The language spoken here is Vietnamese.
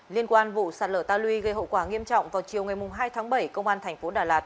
liên quan vụ sạt lở ta luy gây hậu quả nghiêm trọng vào chiều ngày hai tháng bảy công an thành phố đà lạt